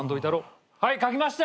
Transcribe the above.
はいかきました。